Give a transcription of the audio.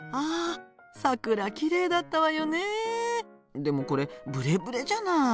でもこれブレブレじゃない！